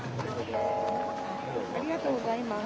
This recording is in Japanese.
ありがとうございます。